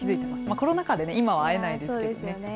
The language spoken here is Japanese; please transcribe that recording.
コロナ禍で今は会えないですけどそうですよね。